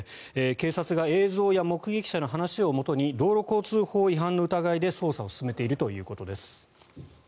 警察が映像や目撃者の話をもとに道路交通法違反の疑いで捜査を進めているということです。